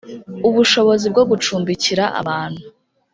ubushobozi bwo gucumbikira abantu